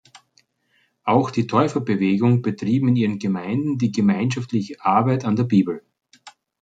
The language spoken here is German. Auch die Täuferbewegung betrieben in ihren Gemeinden die gemeinschaftliche Arbeit an der Bibel.